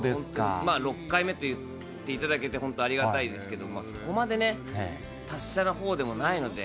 ６回目と言っていただいて、本当、ありがたいですけども、そこまでね、達者なほうでもないので。